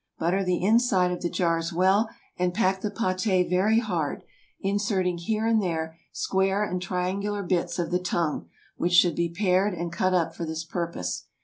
Butter the inside of the jars well, and pack the pâté very hard, inserting here and there square and triangular bits of the tongue, which should be pared and cut up for this purpose.